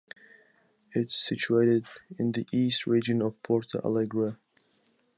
It’s situated in the east region of Porto Alegre.